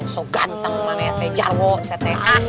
so ganteng mana ya teh jarwo setek